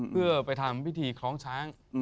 เพื่อไปทำพิธีคล้องช้าง